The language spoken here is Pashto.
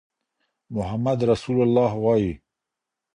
محمد رسول الله ووایئ.